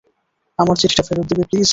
আমার চিঠিটা ফেরত দেবে, প্লিজ?